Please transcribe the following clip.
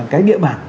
cái địa bàn